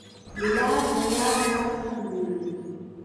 ګیلاس د یار لاس ته ګوري.